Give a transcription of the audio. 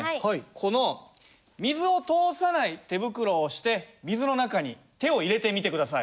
この水を通さない手袋をして水の中に手を入れてみて下さい。